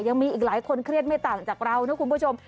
ยังมีอีกหลายคนเครียดไม่ต่างจากเรานะคุณผู้ชม